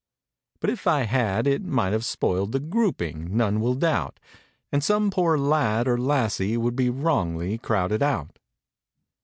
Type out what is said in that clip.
But if I had it might have spoiled The "grouping," none will doubt; And some poor lad or lassie would Be wrongly crowded out.